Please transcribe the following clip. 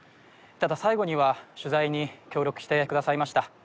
ただ最後には取材に協力してくださいました